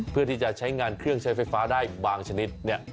เพื่อที่จะใช้งานเครื่องใช้ไฟฟ้าได้บางชนิด